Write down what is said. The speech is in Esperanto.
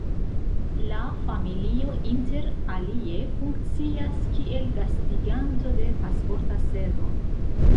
La familio inter alie funkcias kiel gastiganto de Pasporta Servo.